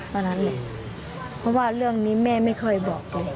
เพราะว่าเรื่องนี้แม่ไม่เคยบอกเลย